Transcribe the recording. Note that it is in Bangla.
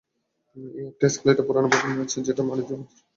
একটা স্কাইলাইটওয়ালা পুরনো ভবন আছে যেটা সিড়ি মাড়িয়ে উঠতে হবে!